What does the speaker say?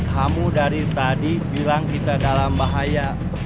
kamu dari tadi bilang kita dalam bahaya